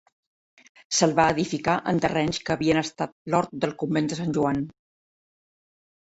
Se'l va edificar en terrenys que havien estat l'hort del convent de sant Joan.